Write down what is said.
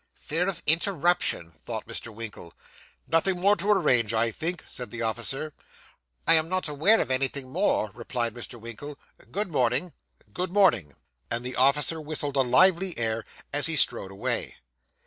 'Fear of interruption!' thought Mr. Winkle. 'Nothing more to arrange, I think,' said the officer. 'I am not aware of anything more,' replied Mr. Winkle. 'Good morning.' 'Good morning;' and the officer whistled a lively air as he strode away.